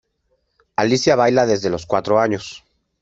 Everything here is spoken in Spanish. Alicia baila desde los cuatro años.